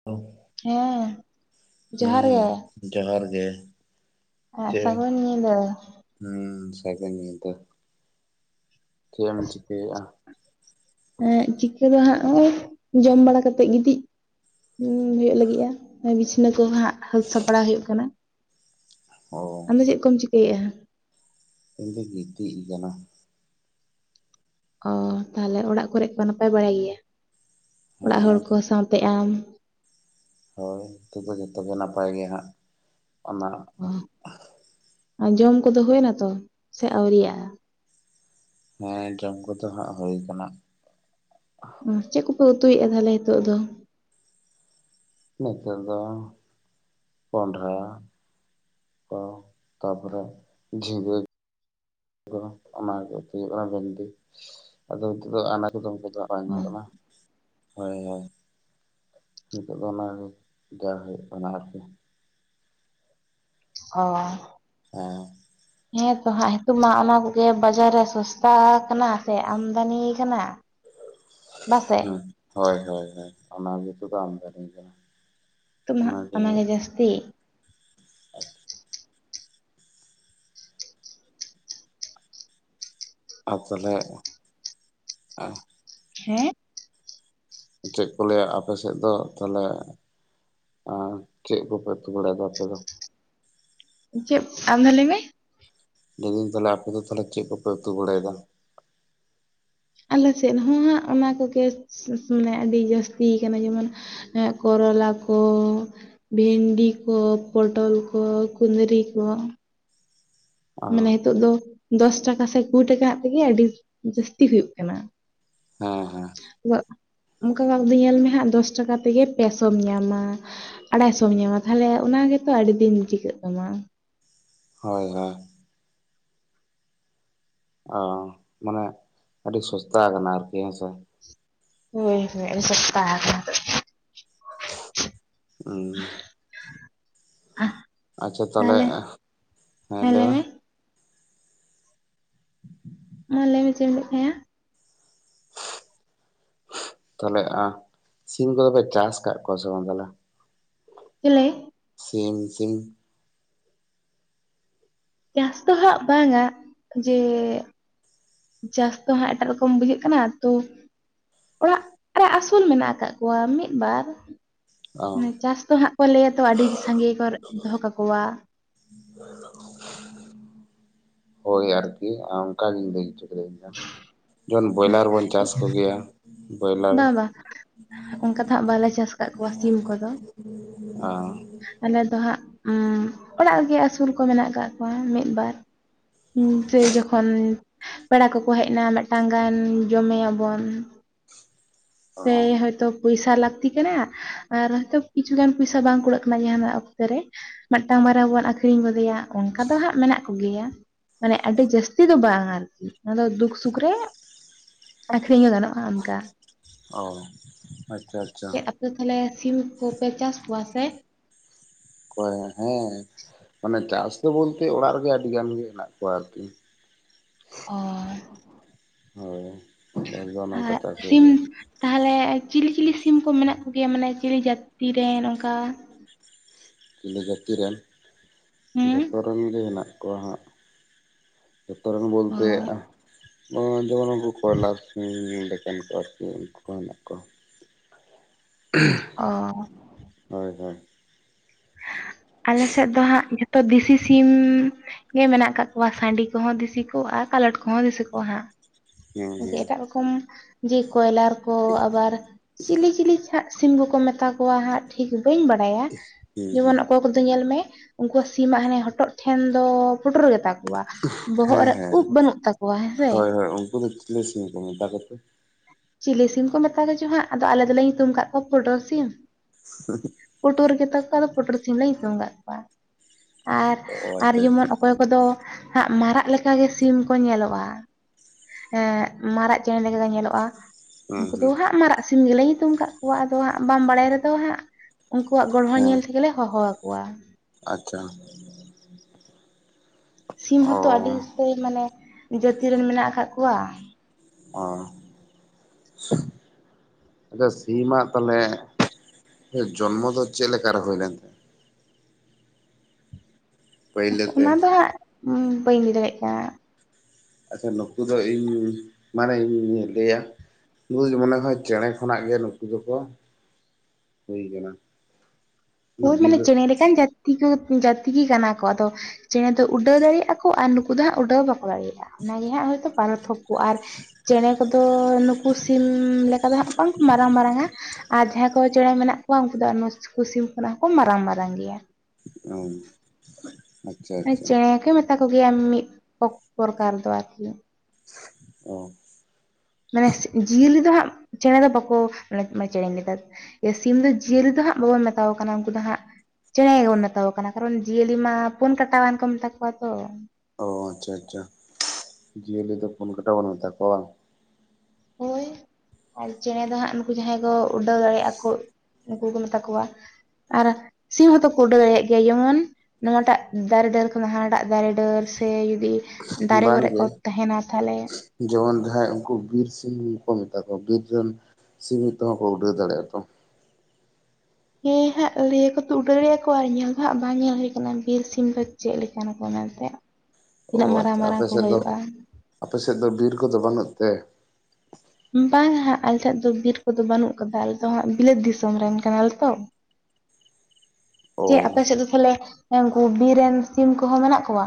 [unintelligible] ᱦᱮᱸ ᱾ ᱦᱩᱸ ᱡᱚᱦᱟᱨ ᱜᱮ ᱾ [inaudible] [unintelligible] ᱥᱟᱹᱜᱩᱱ ᱧᱤᱫᱟᱹ ᱾ ᱦᱮᱸ ᱥᱟᱹᱜᱩᱱ ᱧᱤᱫᱟᱹ ᱾ [inaudible] ᱪᱮᱫ ᱮᱢ ᱪᱤᱠᱟᱹᱭᱮᱫᱼᱟ? ᱮᱸᱜ ᱪᱤᱠᱟᱹ ᱫᱚ ᱦᱟᱸᱜ ᱱᱚᱦᱚᱭ ᱡᱚᱢ ᱵᱟᱲᱟ ᱠᱟᱛᱮᱜ ᱜᱤᱛᱤᱡ ᱦᱩᱸ ᱦᱩᱭᱩᱜ ᱞᱟᱹᱜᱤᱫᱼᱟ ᱵᱤᱪᱷᱱᱟᱹ ᱠᱚ ᱦᱟᱸᱜ ᱦᱟᱹᱨ ᱥᱟᱯᱲᱟᱣ ᱦᱩᱭᱩᱜ ᱠᱟᱱᱟ ᱾ ᱚ ᱟᱢᱫᱚ ᱪᱮᱫ ᱠᱚᱢ ᱪᱤᱠᱟᱹᱭᱮᱜᱼᱟ? ᱤᱧ ᱫᱚᱧ ᱜᱤᱛᱤᱡ ᱟᱠᱟᱱᱟ ᱾ ᱚ ᱛᱟᱦᱚᱞᱮ ᱚᱲᱟᱜ ᱠᱚᱨᱮ ᱠᱚ ᱱᱟᱯᱟᱭ ᱵᱟᱲᱟᱭ ᱜᱮᱭᱟ? ᱚᱲᱟᱜ ᱦᱚᱲ ᱦᱮᱸ ᱠᱚ ᱥᱟᱶᱛᱮ ᱟᱢ ᱾ ᱦᱳᱭ ᱛᱚᱵᱮ ᱡᱚᱛᱚᱜᱮ ᱱᱟᱯᱟᱭ ᱜᱮ ᱦᱟᱸᱜ, ᱚᱱᱟ ᱚ ᱡᱚᱢ ᱠᱚᱫᱚ ᱦᱩᱭᱱᱟ ᱛᱚ, ᱥᱮ ᱟᱣᱨᱤᱣᱟᱜᱼᱟ? ᱦᱮᱸ ᱡᱚᱢ ᱠᱚᱫᱚ ᱦᱟᱸᱜ ᱦᱩᱭ ᱠᱟᱱᱟ᱾ ᱪᱮᱫ ᱠᱚᱯᱮ ᱩᱛᱩᱭᱮᱫᱼᱟ ᱛᱟᱦᱞᱮ ᱱᱤᱛᱚᱜ ᱫᱚ? ᱱᱮᱛᱟᱨ ᱫᱚ ᱠᱚᱱᱰᱷᱟ ᱠᱚ ᱛᱟ ᱯᱚᱨᱮ ᱡᱷᱤᱜᱟ ᱠᱚ ᱚᱱᱟ ᱜᱮ ᱦᱩᱭᱩᱜ ᱠᱟᱱᱟ ᱵᱷᱮᱱᱰᱤ ᱟᱫᱚ ᱱᱤᱛ ᱫᱚ [unintelligible] ᱟᱜ ᱵᱟᱝ ᱚ ᱧᱚᱜ ᱠᱟᱱᱟ [unintelligible] ᱦᱚᱭ ᱦᱚᱭ ᱱᱤᱛᱚᱜ ᱫᱚ ᱚᱱᱟᱜᱮ ᱰᱮᱣ ᱦᱩᱭᱩᱜ ᱠᱟᱱᱟ ᱟᱨ ᱠᱤ᱾ ᱚᱻ ᱦᱮ᱾ [inaudible] ᱦᱮᱸ ᱛᱚ ᱦᱟᱸᱜ ᱱᱤᱛᱚᱜ ᱢᱟ ᱚᱱᱟ ᱠᱚᱜᱮ ᱵᱟᱡᱟᱨ ᱨᱮ ᱥᱚᱥᱛᱟ ᱟᱠᱟᱱᱟ ᱥᱮ ᱟᱢᱫᱟᱱᱤ ᱠᱟᱱᱟ᱾ [inaudible] ᱵᱟᱥᱮ ᱦ ᱦᱚᱭ ᱦᱚᱭ ᱦᱳ ᱚᱱᱟ ᱜᱮᱛᱚ ᱠᱚ ᱟᱢᱫᱟᱱᱤ ᱠᱟᱱᱟ᱾ ᱱᱤᱛᱚᱜ ᱢᱟᱦᱟᱸ ᱚᱱᱟᱜᱮ ᱡᱟᱹᱥᱛᱤ᱾ ᱟᱨ ᱛᱟᱦᱚᱞᱮ ᱦᱮᱸ ᱪᱮᱫ ᱠᱚ ᱞᱟᱹᱭᱟ ᱟᱯᱮ ᱥᱮᱫ ᱫᱚ ᱛᱟᱦᱚᱞᱮ ᱟᱨ ᱪᱮᱫ ᱠᱚᱯᱮ ᱩᱛᱩ ᱵᱟᱲᱟᱭ ᱮᱫᱟ ᱟᱯᱮ ᱫᱚ? ᱪᱮᱫ ᱟᱨ ᱢᱤᱫᱷᱟᱣ ᱞᱟᱹᱭ ᱢᱮ? ᱞᱟᱹᱭᱫᱟᱹᱧ ᱛᱟᱦᱚᱞᱮ ᱟᱯᱚ ᱫᱚ ᱛᱟᱦᱚᱞᱮ ᱪᱮᱫ ᱠᱚᱯᱮ ᱩᱛᱩ ᱵᱟᱲᱟᱭ ᱮᱫᱟ? ᱟᱞᱮ ᱥᱮᱫ ᱦᱚᱸ ᱦᱟᱸᱜ ᱚᱱᱟ ᱠᱚᱜᱮ ᱢᱟᱱᱮ ᱟᱹᱰᱤ ᱡᱟᱹᱥᱛᱤ ᱠᱟᱱᱟ ᱡᱮᱢᱚᱱ ᱮ ᱠᱚᱨᱚᱞᱟ ᱠᱚ ᱵᱷᱮᱱᱰᱤ ᱠᱚ ᱯᱚᱴᱚᱞ ᱠᱚ ᱠᱩᱫᱽᱨᱤ ᱠᱚ᱾ ᱚ ᱢᱟᱱᱮ ᱱᱤᱛᱚᱜ ᱫᱚ ᱫᱚᱥ ᱴᱟᱠᱟ ᱥᱮ ᱠᱩᱲᱤ ᱴᱟᱠᱟ ᱛᱮᱜᱮ ᱟᱹᱰᱤ ᱡᱟᱹᱥᱛᱤ ᱦᱩᱭᱩᱜ ᱠᱟᱱᱟ᱾ ᱦᱮᱸ ᱦᱮᱸ᱾ ᱚᱱᱠᱟᱹ ᱠᱟᱨ ᱫᱚ ᱧᱮᱞ ᱢᱮ ᱦᱟᱸᱜ ᱫᱚᱥ ᱴᱟᱠᱟ ᱛᱮᱜᱮ ᱯᱮᱥᱚᱢ ᱧᱟᱢᱟᱹ᱾ ᱟᱲᱟᱭ ᱥᱚᱢ ᱧᱟᱢᱟ ᱛᱟᱦᱞᱮ ᱚᱱᱟ ᱜᱮᱛᱚ ᱟᱹᱰᱤ ᱫᱤᱱ ᱴᱤᱠᱟᱹᱜ ᱛᱟᱢᱟ᱾ ᱦᱚᱭ ᱦᱚᱭ᱾ ᱚ ᱢᱟᱱᱮ ᱟᱹᱰᱤ ᱥᱚᱥᱛᱟ ᱟᱠᱟᱱᱟ ᱟᱨᱠᱤ ᱦᱮᱸᱥᱮ᱾ ᱦᱚᱭ ᱦᱚᱭ ᱟᱰᱤ ᱥᱟᱥᱛᱟ ᱦᱟᱠᱟᱱᱟ ᱱᱤᱛᱚᱜ᱾ [unintelligible] [unintelligible] ᱟᱪᱷᱟ ᱛᱟᱦᱚᱞᱮ, ᱦᱮᱸ ᱞᱟᱹᱭ ᱞᱟᱹᱭᱢᱮ? ᱢᱮ ᱢᱟ ᱞᱟᱹᱭ ᱢᱮ ᱪᱮᱫ ᱮᱢ ᱞᱟᱭᱮᱫ ᱛᱟᱦᱮᱸᱟ? ᱛᱟᱦᱚᱞᱮ ᱟ ᱥᱤᱢ ᱠᱚᱫᱚ ᱯᱮ ᱪᱟᱥ ᱠᱟᱜ ᱠᱚᱣᱟ ᱥᱮ ᱵᱟᱝ ᱛᱟᱦᱚᱞᱮ? ᱪᱮᱞᱮ? ᱥᱤᱢ ᱥᱤᱢ᱾ ᱪᱟᱥ ᱫᱚ ᱦᱟᱸᱜ ᱵᱟᱝᱟᱹ ᱡᱮ ᱪᱟᱥ ᱫᱚ ᱦᱟᱹᱜ ᱮᱴᱟᱜ ᱨᱚᱠᱚᱢ ᱵᱩᱡᱷᱟᱹᱜ ᱠᱟᱱᱟ ᱛᱚ ᱚᱲᱟᱜ ᱨᱮ ᱟᱹᱥᱩᱞ ᱢᱮᱱᱟᱜ ᱟᱠᱟᱫ ᱠᱚᱣᱟ ᱢᱤᱫ ᱵᱟᱨ᱾ ᱚ ᱪᱟᱥ ᱫᱚ ᱦᱟᱸᱜ ᱠᱚ ᱞᱟᱹᱭᱟᱛᱚ ᱟᱹᱰᱤ ᱥᱟᱸᱜᱮ ᱠᱚ ᱫᱚᱦᱚ ᱠᱟᱠᱚᱣᱟ᱾ ᱦᱳᱭ ᱟᱨᱠᱤ ᱚᱱᱠᱟ ᱜᱤᱧ ᱞᱟᱹᱭ ᱚᱪᱚ ᱡᱚᱱ ᱵᱚᱭᱞᱟᱨ ᱵᱚᱱ ᱪᱟᱥ ᱠᱚ ᱜᱮᱭᱟ, ᱵᱚᱭᱞᱟᱨ᱾ ᱵᱟᱝ ᱵᱟᱝ ᱚᱱᱠᱟ ᱫᱚ ᱦᱟᱸᱜ ᱵᱟᱞᱮ ᱪᱟᱥ ᱟᱠᱟᱫ ᱠᱚᱣᱟ ᱥᱤᱢ ᱠᱚᱫᱚ ᱾ ᱟ ᱟᱞᱮ ᱫᱚ ᱦᱟᱸᱜ ᱚᱲᱟᱜ ᱨᱮᱜᱮ ᱟᱹᱥᱩᱞ ᱠᱚ ᱢᱮᱱᱟᱜ ᱟᱠᱟᱫ ᱠᱚᱣᱟ ᱢᱤᱫ ᱵᱟᱨ ᱾ ᱡᱟᱭ ᱡᱚᱠᱷᱚᱱ ᱯᱮᱲᱟ ᱠᱚᱠᱚ ᱦᱮᱡ ᱮᱱᱟ ᱢᱤᱫᱴᱟᱝ ᱜᱟᱱ ᱡᱚᱢᱮ ᱟᱵᱚᱱ ᱯᱮ ᱦᱳᱭ ᱛᱚ ᱯᱚᱭᱥᱟ ᱞᱟᱹᱠᱛᱤ ᱠᱟᱱᱟ ᱟᱨ ᱦᱳᱭᱛᱚ ᱠᱤᱪᱷᱩ ᱜᱟᱱ ᱯᱚᱭᱥᱟ ᱵᱟᱝ ᱠᱩᱲᱟᱹᱜ ᱠᱟᱱᱟ ᱡᱟᱦᱟᱸᱱᱟᱜ ᱚᱠᱛᱚ ᱨᱮ ᱾ ᱢᱤᱫᱴᱟᱝ ᱵᱟᱨᱭᱟ ᱵᱚᱱ ᱟᱹᱠᱷᱨᱤᱧ ᱜᱚᱫᱮᱭᱟ ᱦᱟᱸᱜ᱾ ᱚᱱᱠᱟ ᱫᱚ ᱦᱟᱸᱜ ᱢᱮᱱᱟᱜ ᱠᱚ ᱜᱮᱭᱟ᱾ ᱢᱟᱱᱮ ᱟᱹᱰᱤ ᱡᱟᱹᱥᱛᱤ ᱫᱚ ᱵᱟᱝ ᱟᱨᱠᱤ ᱾ ᱚᱱᱟ ᱫᱚ ᱫᱩᱠ ᱥᱩᱠ ᱨᱮ ᱟᱹᱠᱷᱨᱤᱧ ᱦᱚᱸ ᱜᱟᱱᱚᱜᱼᱟ ᱚᱱᱠᱟ ᱾ ᱚ ᱟᱪᱪᱷᱟ ᱾ ᱪᱮᱫ ᱟᱯᱮ ᱛᱟᱦᱚᱞᱮ ᱥᱤᱢ ᱠᱚᱯᱮ ᱪᱟᱥ ᱠᱚᱣᱟ ᱥᱮ? ᱦᱮᱸ ᱢᱟᱱᱮ ᱪᱟᱥ ᱫᱚ ᱵᱚᱞᱛᱮ ᱚᱲᱟᱜ ᱨᱮᱜᱮ ᱟᱹᱰᱤ ᱜᱟᱱ ᱜᱮ ᱦᱮᱱᱟᱜ ᱠᱚᱣᱟ ᱟᱨᱠᱤ [unintelligible] ᱦᱩᱭ ᱾ ᱟᱦᱚ ᱥᱤᱢ ᱛᱟᱦᱚᱞᱮ ᱪᱤᱞᱤ ᱪᱤᱞᱤ ᱥᱤᱢ ᱠᱚ ᱢᱮᱱᱟᱜ ᱠᱚ ᱜᱮᱭᱟ ᱢᱟᱱᱮ ᱪᱤᱞᱤ ᱡᱟᱹᱛᱤ ᱨᱮᱱ ᱚᱱᱠᱟ ᱪᱤᱞᱤ ᱡᱟᱹᱛᱤ ᱨᱮᱱ ᱦᱩᱸ ᱡᱷᱚᱛᱚ ᱨᱮᱱ ᱜᱮ ᱢᱮᱱᱟᱜ ᱠᱚᱣᱟ ᱦᱟᱸᱜ ᱾ ᱡᱷᱚᱛᱚ ᱨᱚᱠᱚᱢ ᱚ ᱵᱚᱞᱛᱮ ᱡᱮᱢᱚᱱ ᱠᱚ ᱠᱚᱭᱞᱟ [inaudible] ᱮᱱᱠᱟ ᱛᱮ ᱩᱱᱠᱩ ᱠᱚ ᱦᱮᱱᱟᱜ ᱠᱚᱣᱟ ᱾ [inaudible] ᱚ ᱦᱩᱭ ᱦᱳᱭ ᱾ ᱟᱞᱮ ᱥᱮᱫ ᱫᱚ ᱦᱟᱸᱜ ᱡᱚᱛᱚ ᱫᱤᱥᱤ ᱥᱤᱢ ᱜᱮ ᱢᱮᱱᱟᱜ ᱠᱟᱜ ᱠᱚᱣᱟ᱾ᱥᱟᱺᱰᱤ ᱠᱚᱦᱚᱸ ᱫᱤᱥᱤ ᱠᱚ ᱟᱨ ᱠᱟᱞᱚᱴ ᱠᱚᱦᱚᱸ ᱫᱤᱥᱤ ᱠᱚ ᱦᱟᱸᱜ ᱾ ᱦᱩᱸ ᱦᱩᱸ ᱮᱴᱟᱜ ᱨᱚᱠᱚᱢ ᱡᱮ ᱠᱚᱭᱞᱟ ᱨᱮ ᱠᱚ ᱟᱵᱟᱨ ᱪᱤᱞᱤ ᱪᱤᱞᱤ ᱪᱚ ᱦᱟᱸᱜ ᱾ ᱥᱤᱢ ᱠᱚᱠᱚ ᱢᱮᱛᱟ ᱠᱚᱣᱟ ᱦᱟᱸᱜ ᱴᱷᱤᱠ ᱵᱟᱹᱧ ᱵᱟᱰᱟᱭᱟ᱾ ᱦᱩᱸ ᱦᱩᱸ ᱡᱮᱢᱚᱱ ᱚᱠᱚᱭ ᱠᱚᱫᱚ ᱧᱮᱞ ᱢᱮ ᱩᱝᱠᱩᱣᱟᱜ ᱫᱤᱢᱟᱜ ᱦᱟᱱᱮ ᱦᱚᱴᱚᱜ ᱴᱷᱮᱱ ᱫᱚ ᱯᱩᱴᱩᱨ ᱜᱮᱛᱟ [inaudible] ᱵᱚᱦᱚᱜ ᱦᱮᱸ ᱨᱮ ᱩᱵ ᱵᱟᱹᱱᱩᱜ ᱛᱟᱠᱚᱣᱟ ᱦᱮᱸ ᱥᱮ ᱾ ᱦᱮᱸ ᱩᱝᱠᱩ ᱫᱚ ᱪᱤᱞᱤ ᱥᱤᱢ ᱠᱚ ᱢᱮᱛᱟ ᱠᱚᱛᱮ? ᱪᱤᱞᱤ ᱥᱤᱢ ᱠᱚ ᱢᱮᱛᱟ ᱠᱚᱪᱚ ᱦᱟᱸᱜ ᱾ ᱟᱫᱚ ᱟᱞᱮ ᱫᱚᱞᱮ ᱧᱩᱛᱩᱢ ᱟᱠᱟᱫ ᱠᱚᱣᱟ ᱯᱚᱴᱚᱨ ᱥᱤᱢ ᱾ [inaudible] ᱯᱩᱴᱩᱨ ᱜᱮᱛᱟ ᱠᱚᱣᱟ᱾ ᱟᱫᱚ ᱯᱩᱴᱩᱨ ᱥᱤᱢ ᱞᱮ ᱧᱩᱛᱩᱢ ᱟᱠᱟᱫ ᱠᱚᱣᱟ ᱟᱨ ᱚ ᱟᱨ ᱟᱪᱪᱷᱟ ᱟᱪᱪᱷᱟ ᱡᱮᱢᱚᱱ ᱚᱠᱚᱭ ᱠᱚᱫᱚ ᱦᱟᱸᱜ ᱢᱟᱨᱟᱜ ᱞᱮᱠᱟ ᱜᱮ ᱥᱤᱢ ᱠᱚ ᱧᱮᱞᱚᱜᱼᱟ ᱾ ᱮᱸ ᱢᱟᱨᱟᱜ ᱪᱮᱸᱬᱮ ᱞᱮᱠᱟ ᱠᱚ ᱧᱮᱞᱚᱜᱼᱟ ᱾ ᱦᱩᱸ ᱩᱱᱠᱩ ᱫᱚ ᱦᱩᱸ ᱦᱟᱸᱜ ᱢᱟᱨᱟᱜ ᱥᱤᱢ ᱜᱮᱞᱮ ᱧᱩᱛᱩᱢ ᱠᱟᱜ ᱠᱚᱣᱟ᱾ ᱟᱫᱚ ᱦᱟᱸᱜ ᱵᱟᱢ ᱵᱟᱲᱟᱭ ᱨᱮᱫᱚ ᱦᱟᱸᱜ ᱾ ᱩᱠᱩᱣᱟᱜ ᱜᱚᱲᱦᱚ ᱦᱮᱸ ᱧᱮᱞ ᱛᱮᱜᱮᱞᱮ ᱦᱚᱦᱚ ᱟᱠᱚᱣᱟ ᱾ ᱟᱪᱪᱷᱟ ᱾ ᱥᱤᱢ ᱦᱚᱸ ᱛᱚ ᱟᱹᱰᱤ ᱩᱛᱟᱹᱭ ᱢᱟᱱᱮ ᱡᱟᱹᱛᱤ ᱨᱮ ᱢᱮᱱᱟᱜ ᱟᱠᱟᱫ ᱠᱚᱣᱟ ᱾ ᱚ [inaudible] ᱟᱪᱪᱷᱟ ᱥᱤᱢᱟᱜ ᱛᱟᱦᱚᱞᱮ ᱡᱚᱱᱢᱚ ᱫᱚ ᱪᱮᱫ ᱞᱮᱠᱟ ᱨᱮ ᱦᱩᱭ ᱞᱮᱱ ᱛᱟᱭᱟ? ᱯᱟᱹᱭᱞᱟᱹ ᱛᱮ ᱚᱱᱟ ᱫᱚ ᱦᱟᱸᱜ ᱵᱟᱹᱧ ᱞᱟᱹᱭ ᱫᱟᱲᱮᱭᱟᱜ ᱠᱟᱱᱟ ᱾ ᱟᱪᱪᱷᱟ ᱱᱩᱠᱩ ᱫᱚ ᱤᱧ ᱢᱟᱱᱮ ᱤᱧᱤᱧ ᱞᱟᱹᱭᱟ ᱱᱩᱠᱩ ᱫᱚ ᱢᱚᱱᱮ ᱦᱚᱸ ᱪᱮᱬᱮ ᱠᱷᱚᱱᱟᱜ ᱜᱮ ᱱᱩᱠᱩ ᱫᱚᱠᱚ ᱦᱩᱭ ᱠᱟᱱᱟ ᱾ ᱦᱳᱭ ᱢᱟᱱᱮ ᱪᱮᱸᱬᱮ ᱞᱮᱠᱟᱱ ᱡᱟᱹᱛᱤ ᱡᱟᱹᱛᱤ ᱜᱮ ᱠᱟᱱᱟ ᱠᱚ ᱾ ᱟᱫᱚ ᱪᱮᱸᱬᱮ ᱫᱚ ᱩᱰᱟᱹᱣ ᱫᱟᱲᱮᱭᱟᱜᱼᱟ ᱠᱚ ᱟᱨ ᱱᱩᱠᱩ ᱫᱚ ᱦᱟᱸᱜ ᱩᱰᱟᱹᱣ ᱵᱟᱠᱚ ᱫᱟᱲᱮᱭᱟᱜᱼᱟ᱾ ᱚᱱᱟ ᱜᱮ ᱱᱷᱟᱜ ᱦᱳᱭᱛᱳ ᱯᱟᱨᱚᱛᱷᱚᱠ ᱾ ᱟᱨ ᱪᱮᱸᱬᱮ ᱠᱚᱫᱚ ᱱᱩᱠᱩ ᱥᱤᱢ ᱞᱮᱠᱟ ᱫᱚ ᱦᱟᱸᱜ ᱵᱟᱝ ᱠᱚ ᱢᱟᱨᱟᱝ ᱢᱟᱨᱟᱝ-ᱟ ᱟᱨ ᱡᱟᱦᱟᱸᱭ ᱠᱚ ᱪᱮᱸᱬᱮ ᱢᱮᱱᱟᱜ ᱠᱚᱣᱟ᱾ ᱩᱱᱠᱩ ᱫᱚ ᱱᱩᱠᱩ ᱥᱤᱢ ᱠᱷᱚᱱᱟᱜ ᱦᱚᱸ ᱠᱚ ᱢᱟᱨᱟᱝ ᱢᱟᱨᱟᱝ ᱜᱮᱛᱟ ᱾ ᱚ ᱟᱪᱪᱷᱟ ᱢᱟᱱᱮ ᱟᱪᱪᱷᱟ ᱪᱮᱸᱬᱮ ᱠᱚ ᱢᱮᱛᱟ ᱠᱚᱜᱮᱭᱟ ᱢᱤᱫ ᱯᱨᱚᱠᱟᱨ ᱫᱚ ᱟᱨᱠᱤ ᱾ ᱚ ᱢᱟᱱᱮ ᱡᱤᱭᱟᱹᱞᱤ ᱫᱚ ᱦᱟᱸᱜ ᱪᱮᱸᱬᱮ ᱫᱚ ᱵᱟᱠᱚ ᱪᱮᱸᱬᱮᱧ ᱞᱮᱫᱟ ᱥᱤᱢ ᱫᱚ ᱡᱤᱭᱟᱹᱞᱤ ᱫᱚ ᱦᱟᱸᱜ ᱵᱟᱵᱚᱱ ᱢᱮᱛᱟᱠᱚ ᱠᱟᱱᱟ᱾ ᱩᱱᱠᱩ ᱫᱚ ᱦᱟᱸᱜ ᱪᱮᱸᱬᱮ ᱜᱮᱵᱚᱱ ᱢᱮᱛᱟ ᱠᱚ ᱠᱟᱱᱟ᱾ ᱠᱟᱨᱚᱱ ᱡᱤᱭᱟᱹᱞᱤ ᱢᱟ ᱯᱩᱱ ᱠᱟᱴᱟᱣᱟᱱ ᱠᱚ ᱢᱮᱛᱟ ᱠᱚᱣᱟ ᱛᱚ ᱾ ᱚ ᱟᱪᱪᱷᱟ ᱟᱪᱪᱷᱟ ᱾ ᱡᱤᱭᱟᱹᱞᱤ ᱫᱚ ᱯᱩᱱ ᱠᱟᱴᱟ ᱵᱚᱱ ᱢᱮᱠᱚᱣᱟ ᱵᱟᱝ ᱾ ᱦᱳᱭ ᱾ ᱟᱨ ᱪᱮᱸᱬᱮ ᱫᱚ ᱦᱟᱸᱜ ᱱᱩᱠᱩ ᱡᱟᱦᱟᱸᱭ ᱠᱚ ᱩᱰᱟᱹᱣ ᱫᱟᱲᱮᱭᱟᱜᱼᱟ ᱠᱚ ᱩᱱᱩᱠᱩ ᱠᱚ ᱢᱮᱛᱟ ᱠᱚᱣᱟ ᱾ ᱟᱨ ᱥᱤᱢ ᱦᱚᱸᱛᱚ ᱠᱚ ᱩᱰᱟᱹᱣ ᱫᱟᱲᱮᱭᱟᱜ ᱜᱮᱭᱟ ᱡᱮᱢᱚᱱ ᱱᱚᱣᱟᱴᱟᱜ ᱫᱟᱨᱮ ᱰᱟᱹᱨ ᱠᱷᱚᱱ ᱦᱟᱱᱟᱴᱟᱜ ᱫᱟᱨᱮ ᱰᱟᱹᱨ ᱥᱮ ᱡᱩᱫᱤ ᱫᱟᱨᱮ ᱵᱟᱝ ᱠᱚᱨᱮ ᱠᱚ ᱜᱮ ᱛᱟᱦᱮᱱᱟ ᱛᱟᱦᱚᱞᱮ ᱾ ᱡᱮᱢᱚᱱ ᱡᱟᱦᱟᱸᱭ ᱩᱱᱠᱩ ᱵᱤᱨ ᱥᱤᱢ ᱠᱚ ᱢᱮᱛᱟ ᱠᱚᱣᱟ ᱵᱤᱨ ᱨᱮᱱ ᱥᱤᱢ ᱛᱮᱦᱚ ᱛᱚ ᱠᱚ ᱩᱰᱟᱹᱣ ᱫᱟᱲᱮᱼᱟ ᱛᱚ ᱾ ᱦᱮᱸ ᱦᱟᱸᱜ ᱞᱟᱹᱭ ᱟᱠᱚ ᱛᱚ, ᱩᱰᱟᱹᱣᱭᱟ ᱠᱚ ᱟᱨ ᱧᱮᱞ ᱫᱚ ᱦᱟᱸᱜ ᱵᱟᱝ ᱧᱮᱞ ᱦᱩᱭ ᱟᱠᱟᱱᱟ᱾ ᱵᱤᱨ ᱥᱤᱢ ᱫᱚ ᱪᱮᱫ ᱞᱮᱠᱟ ᱱᱟᱠᱚ ᱢᱮᱱᱛᱮ ᱚ ᱛᱤᱱᱟᱹᱜ ᱢᱟᱨᱟᱝ ᱟᱪᱪᱷᱟ ᱢᱟᱨᱟᱝ ᱟᱯᱮ ᱠᱚ ᱥᱮᱫ ᱫᱚ ᱦᱩᱭᱩᱜᱼᱟ? ᱟᱯᱮ ᱥᱮᱫ ᱫᱚ ᱵᱤᱨ ᱠᱚᱫᱚ ᱵᱟᱹᱱᱩᱜ ᱛᱮ? ᱵᱟᱝ ᱦᱟᱸᱜ ᱟᱞᱮ ᱥᱮᱫ ᱫᱚ ᱵᱤᱨ ᱠᱚᱫᱚ ᱵᱟᱹᱱᱩᱜ ᱠᱟᱫᱟ᱾ ᱟᱞᱮ ᱫᱚ ᱦᱟᱸᱜ ᱵᱤᱞᱟᱹᱛ ᱫᱤᱥᱚᱢ ᱨᱮᱱ ᱠᱟᱱᱟᱞᱮ ᱛᱚ ᱾ ᱪᱮ ᱟᱯᱮ ᱚ ᱥᱮᱫ ᱫᱚ ᱛᱟᱞᱚᱦᱮ ᱩᱱᱠᱩ ᱵᱤᱨ ᱨᱮᱱ ᱥᱤᱢ ᱠᱚᱦᱚᱸ ᱢᱮᱱᱟᱜ ᱠᱚᱣᱟ?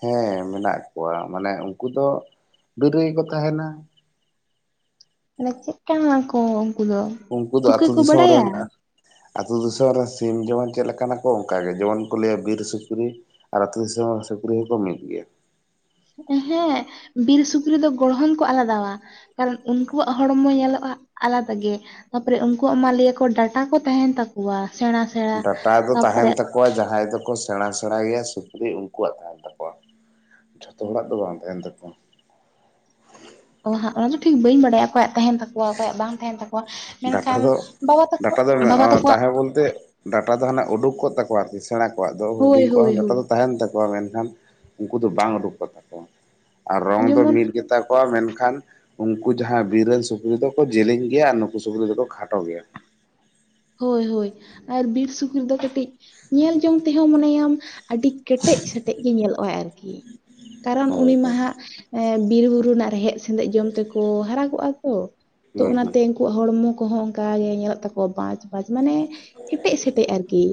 ᱦᱮᱸ ᱢᱮᱱᱟᱜ ᱠᱚᱣᱟ᱾ ᱢᱟᱱᱮ ᱩᱱᱠᱩ ᱫᱚ ᱵᱤᱨ ᱨᱮᱜᱮ ᱠᱚ ᱛᱟᱦᱮᱱᱟ ᱾ ᱢᱟᱱᱮ ᱪᱮᱫ ᱠᱟᱱ ᱟᱠᱚ ᱩᱱᱠᱩ ᱫᱚ? ᱩᱱᱠᱩ ᱫᱚ ᱛᱩᱠᱟᱹ ᱟᱹᱛᱩ ᱠᱚ ᱫᱤᱥᱚᱢ ᱵᱟᱲᱟᱭᱟ ᱨᱮᱱ ᱟᱹᱛᱩ ᱫᱤᱥᱚᱢ ᱨᱮᱱ ᱥᱤᱢ ᱡᱮᱢᱚᱱ ᱪᱮᱫ ᱞᱮᱠᱟ ᱱᱟᱠᱚ ᱚᱱᱠᱟᱜᱮ ᱡᱮᱢᱚᱱ ᱠᱚ ᱞᱟᱹᱭᱟ ᱵᱤᱨ ᱥᱩᱠᱨᱤ ᱟᱨ ᱟᱹᱛᱩ ᱫᱤᱥᱚᱢ ᱥᱩᱠᱨᱤ ᱦᱚᱸᱠᱚ ᱢᱤᱫ ᱜᱮᱭᱟ᱾ ᱦᱮᱸ ᱵᱤᱨ ᱥᱩᱠᱨᱤ ᱫᱚ ᱜᱚᱲᱦᱚᱱ ᱠᱚ ᱟᱞᱟᱫᱟᱣᱟ ᱾ ᱠᱟᱨᱚᱱ ᱩᱱᱠᱩᱣᱟᱜ ᱦᱚᱲᱢᱚ ᱧᱮᱞᱚᱜᱼᱟ ᱟᱞᱟᱫᱟ ᱜᱮ ᱾ ᱛᱟᱯᱚᱨᱮ ᱩᱱᱠᱩᱣᱟᱜ ᱢᱟ ᱞᱟᱹᱭ ᱟᱠᱚ ᱰᱟᱴᱟ ᱠᱚ ᱛᱟᱦᱮᱱ ᱛᱟᱠᱚᱣᱟ ᱥᱮᱬᱟ ᱥᱮᱬᱟ ᱰᱟᱴᱟ ᱫᱚ ᱛᱟᱦᱮᱱ ᱛᱟᱯᱚᱨᱮ ᱛᱟᱠᱚᱣᱟ᱾ ᱡᱟᱦᱟᱸᱭ ᱫᱚᱠᱚ ᱥᱮᱬᱟᱼᱥᱮᱬᱟ ᱜᱮᱭᱟ ᱥᱩᱠᱨᱤ ᱩᱱᱠᱩᱣᱟᱜ ᱛᱟᱦᱮᱱ ᱛᱟᱠᱚᱣᱟ᱾ ᱡᱚᱛᱚ ᱦᱚᱲᱟᱜ ᱫᱚ ᱵᱟᱝ ᱛᱟᱦᱮᱱ ᱛᱟᱠᱚᱣᱟ ᱾ ᱚ ᱦᱟᱸᱜ ᱚᱱᱟ ᱫᱚ ᱴᱷᱤᱠ ᱵᱟᱹᱧ ᱵᱟᱰᱟᱭᱟ᱾ ᱚᱠᱚᱭᱟᱜ ᱛᱟᱦᱮᱱ ᱛᱟᱠᱚᱣᱟ ᱚᱠᱚᱭᱟᱜ ᱵᱟᱝ ᱛᱟᱦᱮᱱ ᱛᱟᱠᱚᱣᱟ ᱾ ᱰᱟᱴᱟ ᱫᱚ, ᱰᱟᱴᱟ ᱫᱚ ᱛᱟᱠᱚᱣᱟᱜ ᱛᱟᱦᱮᱸ ᱵᱚᱞᱛᱮ ᱰᱟᱴᱟ ᱫᱚ ᱦᱟᱱᱮ ᱩᱰᱩᱠ ᱠᱚᱜ ᱛᱟᱠᱚᱣᱟ ᱟᱨᱠᱤ ᱥᱮᱬᱟ ᱠᱚᱣᱟᱜ ᱫᱚ, ᱦᱳᱭ ᱦᱩᱰᱤᱧ ᱠᱚᱣᱟᱜ ᱦᱳᱭ ᱦᱚᱸ ᱰᱟᱴᱟ ᱦᱳᱭ ᱫᱚ ᱛᱟᱦᱮᱱ ᱛᱟ ᱠᱚᱣᱟ ᱾ ᱢᱮᱱᱠᱷᱟᱱ ᱩᱱᱠᱩ ᱫᱚ ᱵᱟᱝ ᱩᱰᱩᱠᱚᱜ ᱛᱠᱚᱣᱟ ᱟᱨ ᱨᱚᱝ ᱫᱚ ᱡᱮᱢᱚᱱ ᱢᱤᱫ ᱜᱮᱛᱟ ᱠᱚᱣᱟ ᱢᱮᱱᱠᱷᱟᱱ ᱩᱱᱠᱩ ᱡᱟᱦᱟᱸ ᱵᱤᱨ ᱨᱮᱱ ᱥᱩᱠᱨᱤ ᱫᱚᱠᱚ ᱡᱮᱞᱮᱧ ᱜᱮᱭᱟ ᱟᱨ ᱱᱩᱠᱩ ᱥᱩᱠᱨᱤ ᱫᱚᱠᱚ ᱠᱷᱟᱴ ᱜᱮᱛᱟ ᱾ ᱦᱩᱭ ᱦᱳᱭ ᱟᱨ ᱵᱤᱨ ᱥᱩᱠᱨᱤ ᱫᱚ ᱠᱟᱹᱴᱤᱡ ᱧᱮᱞ ᱡᱚᱝ ᱛᱮᱦᱚᱸ ᱢᱚᱱᱮᱭᱟᱢ ᱟᱹᱰᱤ ᱠᱮᱴᱮᱡ ᱥᱮᱴᱮᱡ ᱜᱮ ᱧᱮᱞᱚᱜᱼᱟ ᱟᱨᱠᱤ ᱾ ᱠᱟᱨᱚᱱ ᱦᱳᱭ ᱩᱱᱤ ᱢᱟ ᱦᱳᱭ ᱦᱟᱸᱜ ᱵᱤᱨ ᱵᱩᱨᱩ ᱨᱮᱱᱟᱜ ᱨᱮᱦᱮᱫ ᱥᱮᱸᱫᱮᱜ ᱡᱚᱢ ᱛᱮᱠᱚ ᱦᱟᱨᱟᱠᱚᱜᱼᱟ ᱛᱚ ᱾ ᱛᱚ ᱦᱩᱸ ᱦᱩᱸ ᱚᱱᱟᱛᱮ ᱩᱱᱠᱩᱣᱟᱜ ᱦᱚᱲᱢᱚ ᱠᱚᱦᱚᱸ ᱚᱱᱠᱟ ᱜᱮ ᱧᱮᱞᱚᱜ ᱛᱟᱠᱚᱣᱟ ᱵᱟᱪ ᱵᱟᱪ ᱢᱟᱱᱮ ᱠᱮᱴᱮᱡ ᱥᱮᱴᱮᱡ ᱟᱨᱠᱤ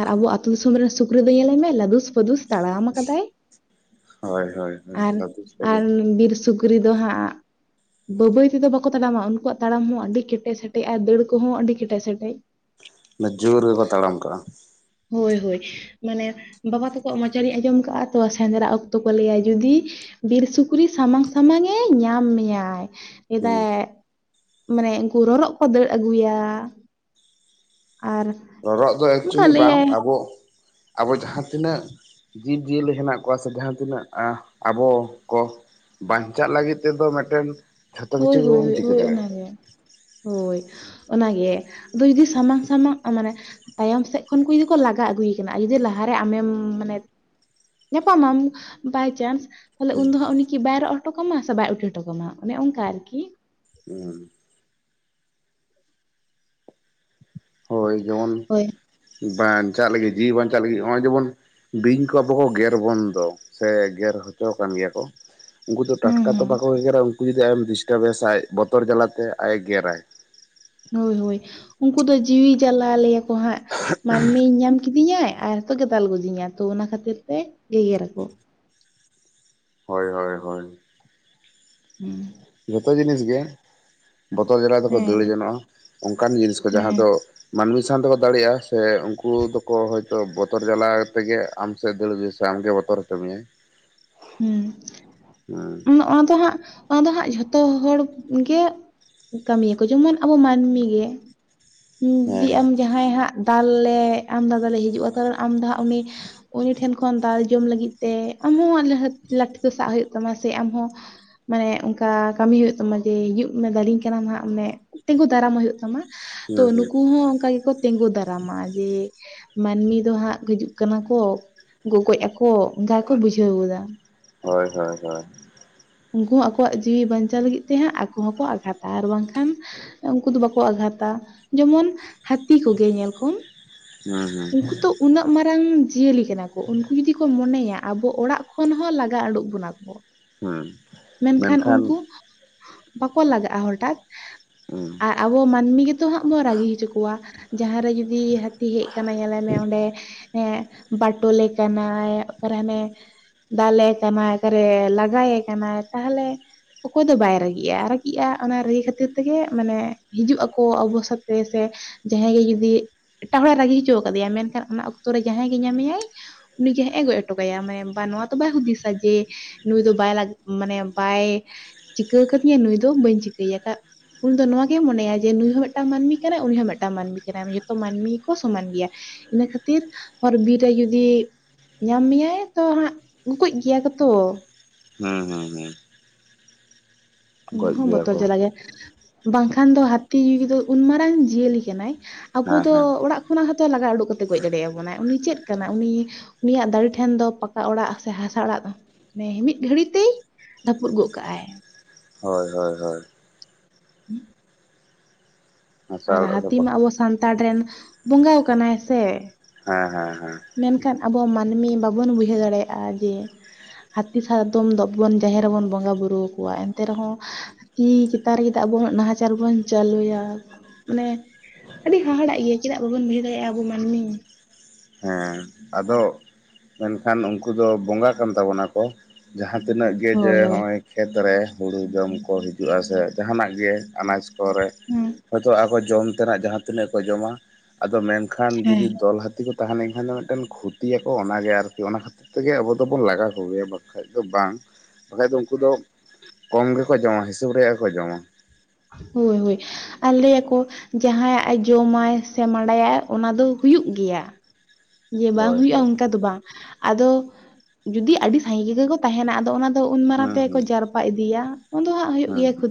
ᱟᱨ ᱟᱵᱚ ᱟᱹᱛᱩ ᱫᱤᱥᱚᱢ ᱨᱮᱱ ᱥᱩᱠᱨᱤ ᱫᱚ ᱧᱮᱞᱮ ᱢᱮ, ᱞᱟᱫᱩᱥ ᱯᱟᱹᱫᱩᱥ ᱛᱟᱲᱟᱢ ᱟᱠᱟᱫᱟᱭ ᱾ ᱦᱳᱭ ᱦᱳᱭ ᱦᱳᱭ ᱟᱨ, ᱫᱟᱫᱩ ᱠᱚᱫᱚ ᱟᱨ ᱵᱤᱨ ᱥᱩᱠᱨᱤ ᱫᱚ ᱦᱟᱸᱜ ᱵᱟᱹᱭᱼᱵᱟᱹᱭ ᱛᱮᱫᱚ ᱵᱟᱠᱚ ᱛᱟᱲᱟᱢᱟ ᱩᱱᱠᱩᱣᱟᱜ ᱛᱟᱲᱟᱢ ᱦᱚᱸ ᱟᱹᱰᱤ ᱠᱮᱴᱮᱡ ᱥᱮᱴᱮᱡᱼᱟ ᱫᱟᱹᱲ ᱠᱚᱦᱚᱸ ᱟᱹᱰᱤ ᱠᱮᱴᱮᱡ ᱥᱮᱴᱮᱡᱼᱼ ᱚᱱᱟ ᱡᱳᱨ ᱜᱮᱠᱚ ᱛᱟᱲᱟᱢ ᱠᱟᱜᱼᱟ᱾ ᱦᱳᱭ ᱦᱳᱭ᱾ ᱢᱟᱱᱮ ᱵᱟᱵᱟ ᱛᱚᱠᱚᱣᱟᱜ ᱢᱚᱪᱟᱨᱤᱧ ᱟᱸᱡᱚᱢ ᱠᱟᱜᱼᱟ ᱛᱚ ᱥᱮᱸᱫᱽᱨᱟ ᱚᱠᱛᱚ ᱠᱚ ᱞᱟᱹᱭᱟ ᱡᱩᱫᱤᱼᱼ ᱵᱤᱨ ᱥᱩᱠᱨᱤ ᱥᱟᱢᱟᱝᱼᱥᱟᱢᱟᱝ ᱮᱸ ᱧᱟᱢ ᱢᱮᱭᱟᱭ ᱪᱮᱫᱟᱼᱼ ᱦᱩᱸ ᱢᱟᱱᱮ ᱩᱱᱠᱩ ᱨᱚᱨᱚᱜ ᱠᱚ ᱫᱟᱹᱲ ᱟᱹᱜᱩᱭᱟ ᱟᱨᱼᱼ ᱨᱚᱨᱚᱜ ᱫᱚ ᱮᱠᱪᱩᱭᱮᱞᱤ ᱵᱟᱝ ᱟᱵᱚ ᱟᱵᱚ ᱡᱟᱦᱟᱸ ᱛᱤᱱᱟᱹᱜᱼᱼ ᱡᱤᱵᱽᱼᱡᱤᱭᱟᱹᱞᱤ ᱦᱮᱱᱟᱜ ᱠᱚᱣᱟ ᱥᱮ ᱡᱟᱦᱟᱸ ᱛᱤᱱᱟᱹᱜ ᱟᱵᱚ ᱠᱚ, ᱵᱟᱧ ᱪᱟᱜ ᱞᱟᱹᱜᱤᱫ ᱛᱮ ᱫᱚ ᱢᱮᱫ ᱴᱮᱱᱼᱼ ᱦᱳᱭ ᱦᱳᱭ ᱦᱳᱭ ᱚᱱᱟ ᱜᱮ ᱦᱳᱭ ᱚᱱᱟ ᱜᱮ ᱟᱫᱚ ᱡᱩᱫᱤ ᱥᱟᱢᱟᱝ ᱥᱟᱢᱟᱝ ᱢᱟᱱᱮᱼᱼ ᱛᱟᱭᱚᱢ ᱥᱮᱫ ᱠᱷᱚᱱ ᱠᱚ ᱡᱩᱫᱤ ᱠᱚ ᱞᱟᱜᱟ ᱟᱹᱜᱩᱭ ᱠᱟᱱᱟ ᱡᱩᱫᱤ ᱞᱟᱦᱟ ᱨᱮ ᱟᱢᱮᱢ ᱢᱟᱱᱮᱼᱼ ᱧᱟ ᱯᱟᱢ ᱟᱢ ᱵᱟᱭ ᱪᱟᱱᱥ ᱛᱟᱦᱞᱮ ᱩᱱ ᱫᱚ ᱦᱟᱜ ᱩᱱᱤ ᱠᱤ ᱵᱟᱭ ᱨᱚᱜ ᱦᱚᱴᱚ ᱠᱟᱢᱟ ᱥᱮ ᱵᱟᱭ ᱩᱴᱟᱹ ᱦᱚ ᱴᱚ ᱠᱚᱢᱟ ᱚᱱᱮ ᱚᱱᱠᱟ ᱟᱨᱠᱤ᱾ ᱦᱮᱸᱻ ᱦᱳᱭ ᱡᱮᱢᱚᱱ ᱦᱳᱭ ᱵᱟᱧ ᱪᱟᱜ ᱞᱟᱹᱜᱤᱫ ᱡᱤᱣᱤ ᱵᱟᱧ ᱪᱟᱜ ᱞᱟᱹᱜᱤᱫ ᱱᱚᱜᱼᱚᱭ ᱡᱮᱢᱚᱱ ᱵᱤᱧ ᱠᱚ ᱟᱵᱚ ᱠᱚ ᱜᱮᱨ ᱵᱚᱱ ᱫᱚ ᱥᱮ ᱜᱮᱨ ᱦᱚ ᱪᱚ ᱟᱠᱟᱱ ᱜᱮᱭᱟ ᱠᱚ ᱩᱱᱠᱩ ᱫᱚ ᱴᱟᱴ ᱦᱩᱸ ᱠᱟ ᱛᱚ ᱦᱩᱸ ᱵᱟᱠᱚ ᱜᱮ ᱜᱮᱨᱟ ᱩᱱᱠᱩ ᱡᱩᱫᱤ ᱟᱡᱮ ᱰᱤᱥᱴᱟᱵ ᱮᱭᱟ ᱥᱮ ᱵᱚᱛᱚᱨ ᱡᱟᱞᱟ ᱛᱮ ᱟᱡ ᱮ ᱜᱮᱨ ᱟᱭ᱾ ᱦᱳᱭ ᱦᱳᱭ ᱩᱱᱠᱩ ᱫᱚ ᱡᱤᱣᱤ ᱡᱟᱞᱟ ᱞᱟᱹᱭ ᱟᱠᱚ ᱦᱟᱸᱜ ᱢᱟᱹᱱ ᱢᱤᱧ ᱧᱟᱢᱼᱼ ᱠᱤᱫᱤ ᱧᱟᱭ ᱟᱨ ᱦᱮᱛᱚᱜ ᱜᱮ ᱫᱟᱞ ᱜᱚᱡᱤ ᱧᱟᱭ ᱛᱚ ᱚᱱᱟ ᱠᱷᱟᱹᱛᱤᱨ ᱛᱮ ᱜᱮ ᱜᱮᱨ ᱟᱠᱚ ᱦᱳᱭ ᱦᱳᱭ ᱦᱮᱸ ᱡᱷᱚᱛᱚ ᱡᱤᱱᱤᱥ ᱜᱮᱼᱼ ᱵᱚᱛᱚᱨ ᱡᱟᱞᱟ ᱫᱚ ᱠᱚ ᱦᱮᱸ ᱫᱟᱹᱲ ᱡᱚᱱᱚᱜᱼᱟ ᱚᱱᱠᱟᱱ ᱡᱤᱱᱤᱥ ᱠᱚ ᱡᱟᱦᱟᱸ ᱦᱮᱸ ᱫᱚ᱾ ᱢᱟᱹᱱᱢᱤ ᱥᱟᱶ ᱛᱮ ᱠᱚ ᱫᱟᱲᱮᱜᱼᱟ ᱥᱮ ᱩᱱᱠᱩ ᱫᱚ ᱠᱚ ᱦᱚᱭᱛᱚ ᱵᱚᱛᱚᱨ ᱡᱟᱞᱟ ᱛᱮ ᱜᱮ ᱟᱢ ᱥᱮᱫ ᱫᱟᱹᱲ ᱥᱮ ᱟᱢ ᱜᱮᱼᱼ [unintelligible] ᱦᱩᱸ ᱚᱱᱟ ᱫᱚ ᱦᱟᱸᱜ ᱚᱱᱟ ᱫᱚ ᱦᱟᱸᱜ ᱡᱷᱚᱛᱚ ᱦᱚᱲ ᱜᱮᱼᱼ ᱠᱟᱹᱢᱤᱭᱟ ᱠᱚ ᱡᱮᱢᱚᱱ ᱟᱵᱚ ᱢᱟᱹᱱᱢᱤ ᱜᱮ ᱦᱮᱸ ᱡᱩᱫᱤ ᱦᱮᱸ ᱟᱢ ᱡᱟᱦᱟᱸᱼᱼ ᱡᱟᱦᱟᱸᱭ ᱦᱟᱸᱜ ᱫᱟᱞᱮ ᱟᱢ ᱫᱟ ᱫᱟ ᱞᱮ ᱦᱤᱡᱩᱜᱼᱟ ᱠᱟᱨᱚᱱ ᱟᱢ ᱫᱚ ᱦᱟᱸᱜ ᱩᱱᱤᱼᱼ ᱩᱱᱤ ᱴᱷᱮᱱ ᱠᱷᱚᱱ ᱫᱟᱞ ᱡᱚᱢ ᱞᱟᱹᱜᱤᱫ ᱛᱮ ᱟᱢ ᱦᱚᱸ ᱞᱟᱹᱴᱷᱤ ᱫᱚ ᱥᱟᱵ ᱦᱩᱭᱩᱜ ᱛᱟᱢᱟ ᱥᱮ ᱟᱢ ᱦᱚᱸ ᱢᱟᱱᱮ ᱚᱱᱠᱟ ᱠᱟᱹᱢᱤ ᱦᱳᱭᱳᱜ ᱛᱟ ᱢᱟ ᱡᱮ ᱦᱤᱡᱩᱜ ᱢᱮ ᱫᱟᱞᱤᱧ ᱠᱟᱱᱟᱢ ᱦᱟᱸᱜ ᱢᱟᱱᱮ ᱛᱤ ᱜᱩ ᱫᱟᱨᱟᱢ ᱮ ᱦᱳᱭᱳᱜ ᱛᱟᱢᱟ᱾ ᱛᱚ ᱦᱩᱸ ᱦᱩᱸ ᱱᱩᱠᱩ ᱦᱚᱸ ᱚᱱᱠᱟ ᱜᱮ ᱠᱚ ᱛᱤᱸᱜᱩ ᱫᱟᱨᱟᱢᱟ ᱡᱮᱼᱼ ᱢᱟᱹᱱᱢᱤ ᱫᱚ ᱦᱟᱸᱜ ᱦᱤᱡᱩᱜ ᱠᱟᱱᱟ ᱠᱚ ᱜᱚᱜᱚᱡ ᱟᱠᱚ ᱚᱱᱠᱟ ᱜᱮ ᱠᱚ ᱵᱩᱡᱷᱟᱹᱣ ᱜᱮᱭᱟ᱾ ᱦᱮᱸ ᱦᱮᱸ ᱦᱮᱸ ᱩᱱᱠᱩ ᱦᱚᱸ ᱟᱠᱚ ᱣᱟᱜ ᱡᱤᱣᱤ ᱵᱟᱧ ᱪᱟᱣ ᱞᱟᱹᱜᱤᱫ ᱛᱮ ᱦᱟᱸᱜ ᱟᱠᱚ ᱦᱚᱸ ᱠᱚ ᱟᱜᱷᱟᱛᱟ ᱟᱨ ᱵᱟᱝ ᱠᱷᱟᱱ ᱩᱱᱠᱩ ᱫᱚ ᱵᱟ ᱠᱚ ᱟᱜᱷᱟᱛᱟ ᱡᱮᱢᱚᱱᱼᱼ ᱦᱟᱹᱛᱤ ᱠᱚ ᱜᱮ ᱧᱮᱞ ᱠᱚᱢ ᱦᱩᱸ ᱦᱩᱸ ᱩᱱᱠᱩ ᱛᱚ ᱩᱱᱟᱹᱜ ᱢᱟᱨᱟᱝ ᱡᱤᱭᱟᱹᱞᱤ ᱠᱟᱱᱟ ᱠᱚ ᱩᱱᱠᱩ ᱡᱩᱫᱤᱼᱼ ᱠᱚ ᱢᱚᱱᱮ ᱭᱟ ᱟᱵᱚ ᱚᱲᱟᱜ ᱠᱷᱚᱱ ᱦᱚᱸ ᱞᱟ ᱜᱟ ᱟᱰᱳᱜ ᱵᱚᱱᱟ ᱠᱚ᱾ ᱦᱮᱸ ᱢᱮᱱ ᱠᱷᱟᱱ ᱩᱱᱠᱩ ᱵᱟᱠᱚ ᱞᱟᱜᱟᱜ ᱦᱚᱴᱟᱫ ᱦᱩᱸ ᱟᱜᱼᱼ ᱟᱵᱚ ᱢᱟᱹᱱᱢᱤ ᱜᱮ ᱛᱚ ᱦᱟᱸᱜ ᱵᱚᱱ ᱨᱟᱹᱜᱤ ᱦᱚ ᱪᱚ ᱠᱚᱣᱟ᱾ ᱡᱟᱦᱟᱸᱨᱮ ᱡᱩᱫᱤ ᱦᱟᱹᱛᱤ ᱦᱮᱡ ᱟᱠᱟᱱᱟ ᱧᱮ ᱞᱮ ᱢᱮ ᱚᱸᱰᱮᱼᱼ ᱦᱮᱸ ᱵᱟᱴᱳ ᱞᱮ ᱠᱟᱱᱟᱭ ᱚᱠᱟᱨ ᱦᱟᱱᱮᱼᱼ ᱫᱟᱞᱮ ᱠᱟᱱᱟ ᱚᱠᱟᱨᱮ ᱞᱟᱜᱟ ᱭᱮ ᱠᱟᱱᱟᱭ ᱛᱟᱦᱞᱮᱼᱼ ᱚᱠᱚᱭ ᱫᱚ, ᱵᱟᱭ ᱨᱟᱹᱜᱤᱜᱼᱟ? ᱨᱟᱹᱜᱤᱜᱼᱟᱭ, ᱚᱱᱟ ᱨᱟᱹᱜᱤ ᱠᱷᱟᱹᱛᱤᱨ ᱛᱮ ᱜᱮ, ᱢᱟᱱᱮ, ᱦᱤᱡᱩᱜ ᱟᱠᱚ, ᱚᱵᱚᱥ ᱡᱟᱦᱟᱸᱭ ᱜᱮ ᱡᱩᱫᱤ, ᱮᱴᱟᱜ ᱦᱚᱲ ᱮ ᱨᱟᱹᱜᱤ ᱦᱚᱪᱚ ᱠᱟᱫᱮ ᱭᱟ, ᱢᱮᱱ ᱠᱷᱟᱱ, ᱚᱱᱟ ᱚᱠᱛᱚ ᱨᱮ, ᱡᱟᱦᱟᱸᱭ ᱜᱮᱭ, ᱧᱟᱢᱮ ᱭᱟᱭ ᱩᱱᱤ ᱜᱮ ᱦᱟᱸᱜ, ᱮ ᱜᱚᱡ ᱦᱚᱴᱚ ᱠᱟᱭᱟ, ᱢᱟᱭᱟᱢ ᱵᱟᱸ ᱱᱚᱣᱟ ᱫᱚ, ᱵᱟᱭ ᱦᱩᱫᱤ ᱥᱟ, ᱡᱮ, ᱱᱩᱭ ᱫᱚ ᱵᱟᱭ ᱞᱟᱜᱤ ᱢᱟᱱᱮ, ᱵᱟᱭ ᱪᱤᱠᱟᱹ ᱟᱠᱟᱹᱫᱤᱧᱟ, ᱱᱩᱭ ᱫᱚ, ᱵᱟᱹᱧ ᱪᱤᱠᱟᱹᱭᱮᱭᱟ ᱾ ᱩᱱᱤ ᱫᱚ, ᱱᱚᱣᱟ ᱜᱮᱭ, ᱢᱚᱱᱮ ᱭᱟ, ᱡᱮ, ᱱᱩᱭ ᱦᱚᱸ, ᱢᱤᱫᱴᱟᱝ ᱢᱟᱹᱱᱢᱤ ᱠᱟᱱᱟᱭ, ᱩᱱᱤ ᱦᱚᱸ ᱢᱤᱫᱴᱟᱝ, ᱢᱟᱹᱱᱢᱤ ᱠᱟᱱᱟᱭ, ᱡᱷᱚᱛᱚ ᱢᱟᱹᱱᱢᱤ ᱜᱮᱠᱚ, ᱥᱚᱢᱟᱱ ᱜᱮᱭᱟ ᱾ ᱤᱱᱟᱹ ᱠᱷᱟᱹᱛᱤᱨ, ᱦᱚᱨ ᱵᱤᱨ ᱨᱮ, ᱡᱩᱫᱤ ᱧᱟᱢ ᱢᱮᱭᱟᱭ ᱛᱚ ᱦᱟᱸᱜ, ᱩᱝᱠᱩᱡ ᱜᱮᱭᱟ ᱠᱚ ᱛᱚ ᱦᱩᱻᱦᱩᱸᱻᱦᱩᱸ᱾ ᱩᱱᱠᱩ ᱦᱚᱸ, ᱜᱮᱭᱟ ᱵᱚᱛᱚᱨ ᱠᱚ ᱡᱟᱞᱟ ᱜᱮ, ᱵᱟᱝ ᱠᱷᱟᱱ ᱫᱚ, ᱦᱟᱹᱛᱤ ᱫᱚ, ᱩᱱ ᱢᱟᱨᱟᱝ ᱡᱤᱭᱟᱹᱞᱤ ᱠᱟᱱᱟᱭ ᱟᱵᱚ ᱦᱮᱸ ᱫᱚ, ᱦᱮᱸ ᱚᱲᱟᱜ ᱠᱷᱚᱱᱟᱜ ᱦᱚᱸᱛᱚ, ᱞᱟᱜᱟ ᱳᱰᱳᱠ ᱠᱟᱛᱮ, ᱜᱚᱡ ᱫᱟᱲᱮ ᱭᱟ ᱵᱚᱱᱟᱭ ᱾ ᱩᱱᱤ ᱪᱮᱫ ᱠᱟᱱᱟ, ᱩᱱᱤ ᱩᱱᱤᱭᱟᱜ ᱫᱟᱨᱮ ᱴᱷᱮᱱ ᱫᱚ, ᱯᱟᱠᱟ ᱚᱲᱟᱜ ᱥᱮ, ᱦᱟᱥᱟ ᱚᱲᱟᱜ ᱫᱚ, ᱢᱟᱱᱮ, ᱢᱤᱫ ᱜᱷᱟᱹᱲᱤ ᱛᱮ ᱨᱟᱹᱯᱩᱫ ᱜᱚᱫ ᱠᱟᱜᱼᱟᱭ ᱾ ᱦᱳᱭ, ᱦᱳᱭ ᱦᱳᱭ ᱾ ᱪ-ᱚᱜ, ᱷᱩᱸᱜ ᱾ ᱦᱟᱥᱟ ᱟᱨ, ᱚᱲᱟᱜ ᱨᱮ ᱦᱟᱹᱛᱤ ᱢᱟ, ᱟᱵᱚ ᱥᱟᱱᱛᱟᱲ ᱨᱮᱱ, ᱵᱚᱸᱜᱟ ᱠᱟᱱᱟᱭ ᱥᱮ? ᱦᱮᱸ, ᱦᱮᱸ, ᱦᱮᱸ ᱾ ᱢᱮᱱᱠᱷᱟᱱ ᱟᱵᱚ ᱢᱟᱹᱱᱢᱤ, ᱵᱟᱵᱚᱱ ᱵᱩᱡᱷᱟᱹᱣ ᱫᱟᱲᱮᱭᱟᱜᱼᱟ, ᱡᱮ ᱦᱟᱹᱛᱤ ᱥᱟᱫᱚᱢ, ᱫᱚ ᱵᱚᱱ ᱡᱟᱦᱮᱨ ᱨᱮᱵᱚᱱ, ᱵᱚᱸᱜᱟᱼᱵᱩᱨᱩ ᱟᱠᱚᱣᱟ ᱾ ᱮᱱᱛᱮ ᱨᱮᱦᱚᱸ ᱦᱟᱹᱛᱤ ᱪᱮᱛᱟᱱ ᱨᱮᱜᱮ, ᱟᱵᱚ ᱦᱚᱸ ᱱᱟᱦᱟᱪᱟᱨ ᱵᱚᱱ ᱪᱟᱹᱞᱩᱭᱟ ᱢᱟᱱᱮ, ᱟᱹᱰᱤ ᱦᱟᱦᱟᱲᱟᱜ, ᱤᱭᱟᱹ ᱪᱮᱫᱟᱜ? ᱵᱟᱵᱚᱱ ᱵᱩᱡᱷᱟᱹᱣ ᱫᱟᱲᱮᱭᱟᱜᱼᱟ, ᱟᱵᱚ ᱢᱟᱹᱱᱢᱤ ᱾ ᱦᱮᱸ, ᱟᱫᱚ ᱢᱮᱱᱠᱷᱟᱱ, ᱩᱱᱠᱩ ᱫᱚ ᱵᱚᱸᱜᱟ ᱠᱟᱱ ᱛᱟᱵᱚ ᱱᱟᱠᱚ ᱾ ᱡᱟᱦᱟᱸ ᱛᱤᱱᱟᱹᱜ ᱜᱮ, ᱡᱮ, ᱦᱳᱭ ᱦᱳᱭ ᱱᱚᱜᱼᱚᱭ ᱠᱷᱮᱛ ᱨᱮ, ᱦᱩᱲᱩ ᱡᱚᱢ ᱠᱚ, ᱦᱤᱡᱩᱜᱼᱟ ᱥᱮ, ᱡᱟᱦᱟᱸᱱᱟᱜ ᱜᱮ, ᱟᱱᱟᱡᱽ ᱯᱚᱨᱮ, ᱦᱩᱸ ᱦᱚᱭᱛᱳ, ᱟᱠᱚ ᱡᱚᱢ ᱛᱮᱱᱟᱜ ᱡᱟᱦᱟᱸ ᱛᱤᱱᱟᱹᱜ ᱠᱚ ᱡᱚᱢᱟ, ᱟᱫᱚ ᱢᱮᱱᱠᱷᱟᱱ ᱡᱩᱫᱤ? ᱦᱮᱸ ᱫᱚᱞ ᱦᱟᱹᱛ ᱛᱤ ᱠᱚ, ᱛᱟᱦᱮᱸ ᱞᱮᱱᱠᱷᱟᱱ ᱫᱚ, ᱢᱤᱫᱴᱮᱱ ᱠᱷᱩᱛᱤ ᱭᱟᱠᱚ, ᱚᱱᱟ ᱜᱮ ᱟᱨᱠᱤ, ᱚᱱᱟ ᱠᱷ ᱛᱮᱜᱮ, ᱟᱵᱚ ᱫᱚᱵᱚᱱ ᱞᱟᱜᱟ ᱠᱚ ᱜᱮᱭᱟ, ᱵᱟᱠᱷᱟᱡ ᱫᱚ ᱵᱟᱝ, ᱵᱟᱠᱷᱟᱡ ᱫᱚ, ᱩᱱᱠᱩ ᱫᱚ ᱠᱚᱢ ᱜᱮᱠᱚ ᱡᱚᱢᱟ, ᱦᱤᱥᱟᱹᱵᱽ ᱨᱮᱭᱟᱜ, ᱜᱮ ᱠᱚ ᱡᱚᱢᱟ ᱾ ᱦᱳᱭ ᱦᱳᱭ ᱾ ᱟᱨ, ᱞᱟᱹᱭᱟᱠᱚ, ᱡᱟᱦᱟᱸᱭᱟᱜ ᱮ ᱡᱚᱢᱟᱭ ᱥᱮ, ᱢᱟᱰᱟᱭᱟᱭ ᱚᱱᱟ ᱫᱚ, ᱦᱩᱭᱩᱜ ᱜᱮᱭᱟ ᱾ ᱡᱮ, ᱵᱟᱝ ᱦᱳᱭ ᱦᱩᱭᱩᱜᱼᱟ, ᱦᱳᱭ ᱚᱱᱠᱟ ᱫᱚ ᱵᱟᱝ ᱾ ᱟᱫᱚ, ᱡᱩᱫᱤ? ᱟᱹᱰᱤ ᱥᱟᱸᱜᱤ ᱜᱮᱜᱮᱠᱚ ᱛᱟᱦᱮᱱᱟ, ᱟᱫᱚ ᱚᱱᱟ ᱫᱚ, ᱩᱱ ᱢᱟᱨᱟᱝ ᱦᱩᱸ ᱛᱮᱠᱚ, ᱦᱩᱸ ᱡᱟᱨᱯᱟ ᱤᱫᱤᱭᱟ ᱾ ᱩᱱ ᱫᱚ ᱦᱟᱸᱜ, ᱦᱩᱭᱩᱜ ᱦᱩᱸ ᱜᱮᱭᱟ, ᱦᱩᱸ ᱠᱷᱩᱛᱤ ᱾